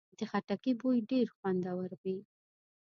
د خټکي بوی ډېر خوندور وي.